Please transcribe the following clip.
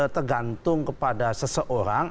tergantung kepada seseorang